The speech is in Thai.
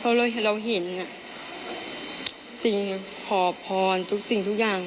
เพราะเราเห็นสิ่งขอบพรสิ่งทุกอย่าง